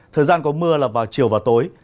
thời gian có mưa là vào chiều và tối